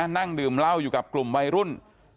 นั่งดื่มเหล้าอยู่กับกลุ่มวัยรุ่น